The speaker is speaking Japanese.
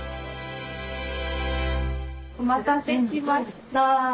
お待たせしました。